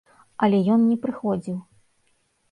Але ён не прыходзіў.